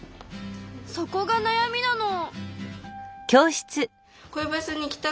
そこがなやみなの。